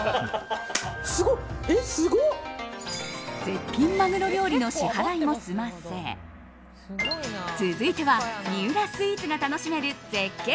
絶品マグロ料理の支払いも済ませ続いては三浦スイーツが楽しめる絶景